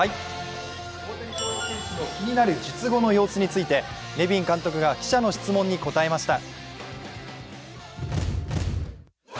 大谷翔平選手の気になる術後についてネビン監督が記者の質問に答えました。